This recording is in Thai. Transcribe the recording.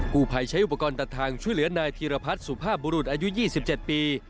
ผู้ภัยใช้อุปกรณ์ตัดทางช่วยเหลือนายธีรพัฒน์สุภาพบุรุษอายุ๒๗ปี